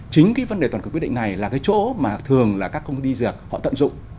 chính cái vấn đề toàn quyền quyết định này là cái chỗ mà thường là các công ty dược họ tận dụng